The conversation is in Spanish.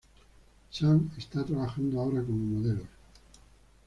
Zhang está trabajando ahora como modelo.